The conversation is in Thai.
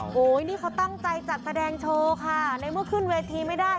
โอ้โหนี่เขาตั้งใจจัดแสดงโชว์ค่ะในเมื่อขึ้นเวทีไม่ได้